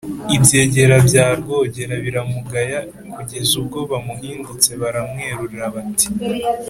ibyegera bya rwogera biramugaya, kugeza ubwo bamuhindutse baramwerurira, bati: